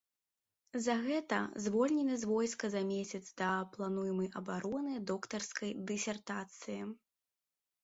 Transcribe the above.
За гэта звольнены з войска за месяц да плануемай абароны доктарскай дысертацыі.